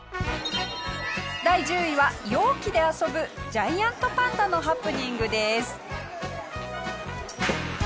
第１０位は容器で遊ぶジャイアントパンダのハプニングです。